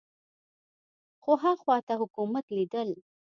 خو ها خوا ته حکومت لیدل